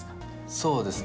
そうですね